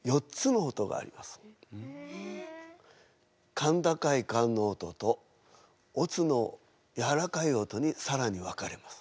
甲高い甲の音と乙のやわらかい音にさらに分かれます。